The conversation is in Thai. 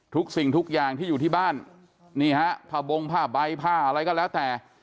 ทุกสิ่งทุกอย่างที่อยู่ที่บ้านนี่ฮะผ้าบงผ้าใบผ้าอะไรก็แล้วแต่